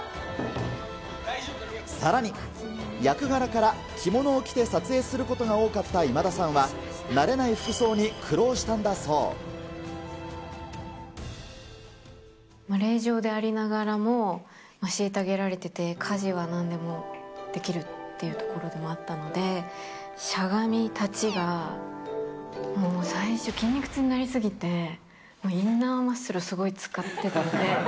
さらに、役柄から着物を着て撮影することが多かった今田さんは、慣れない令嬢でありながらも、しいたげられてて、家事はなんでもできるっていうところもあったので、しゃがみ、立ちが、もう最初筋肉痛になり過ぎて、もうインナーマッスルすごい使ってたんで。